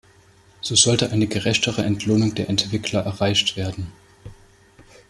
So sollte eine gerechtere Entlohnung der Entwickler erreicht werden.